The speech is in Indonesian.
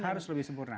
harus lebih sempurna